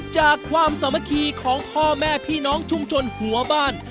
ความสามัคคีของพ่อแม่พี่น้องชุมชนหัวบ้าน